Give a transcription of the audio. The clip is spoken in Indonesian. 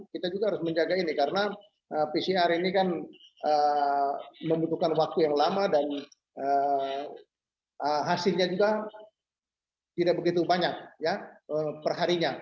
kita juga harus menjaga ini karena pcr ini kan membutuhkan waktu yang lama dan hasilnya juga tidak begitu banyak perharinya